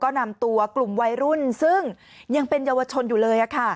ก็นำตัวกลุ่มวัยรุ่นซึ่งยังเป็นเยาวชนอยู่เลย